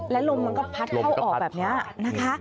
และลมมันก็พัดเข้าออกแบบนี้นะคะ